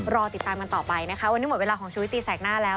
รอติดตามกันต่อไปนะคะวันนี้หมดเวลาของชุวิตตีแสกหน้าแล้ว